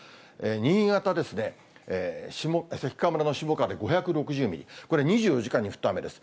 新潟ですね、関川村のしもかわで５６０ミリ、これ、２４時間に降った雨です。